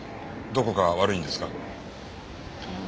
どこか悪いんですか？